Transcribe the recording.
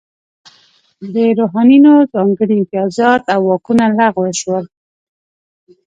د روحانینو ځانګړي امتیازات او واکونه لغوه شول.